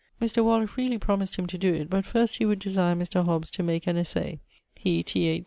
Mr. Waller freely promised him to doe it, but first he would desire Mr. Hobbes to make an essaye; he (T. H.)